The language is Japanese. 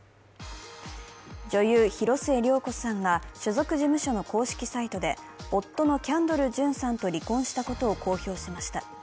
女優・広末涼子さんが所属事務所の公式サイトで、夫のキャンドル・ジュンさんと離婚したことを公表しました。